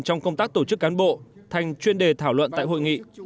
trong công tác tổ chức cán bộ thành chuyên đề thảo luận tại hội nghị